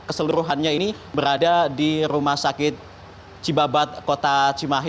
keseluruhannya ini berada di rumah sakit cibabat kota cimahi